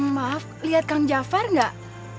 maaf lihat kang jafar nggak